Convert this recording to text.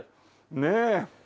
ねえ。